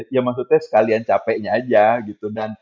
ya maksudnya sekalian capeknya aja gitu